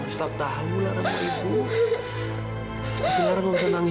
gapapa aja sih